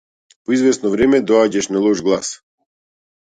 По извесно време доаѓаш на лош глас.